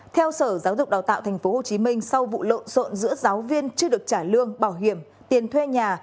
theo sở giáo dục đào tạo tp hcm sau vụ lộn rộn giữa giáo viên chưa được trả lương bảo hiểm tiền thuê nhà